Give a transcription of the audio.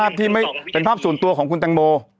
เป็นภาพสูญตัวของคุณตังโม